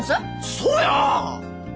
そうや！